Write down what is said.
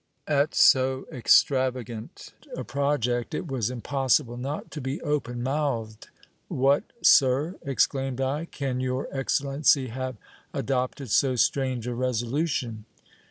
At so extravagant a project it was impossible not to be open mouthed. What, sir, exclaimed 1, can your excellency have adopted so strange a resolution